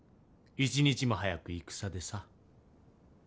一日も早く戦でさ。